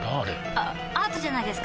あアートじゃないですか？